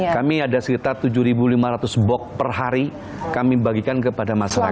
kami ada sekitar tujuh lima ratus bok per hari kami bagikan kepada masyarakat